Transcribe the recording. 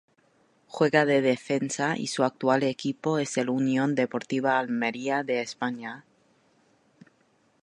Juega de defensa y su actual equipo es el Unión Deportiva Almería de España.